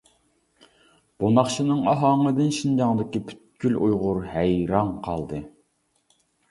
بۇ ناخشىنىڭ ئاھاڭىدىن شىنجاڭدىكى پۈتكۈل ئۇيغۇر ھەيران قالدى.